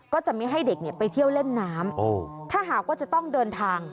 ก็จะไม่ให้เด็กเนี่ยไปเที่ยวเล่นน้ำถ้าหากว่าจะต้องเดินทาง